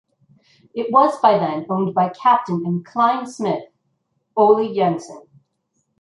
It was by then owned by captain and "klein" smith Ole Jensen.